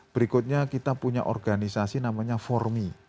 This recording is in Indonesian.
berikutnya kita punya organisasi namanya formi